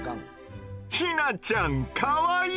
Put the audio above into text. ヒナちゃんかわいい！